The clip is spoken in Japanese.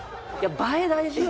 映え大事よ？